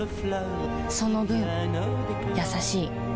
その分優しい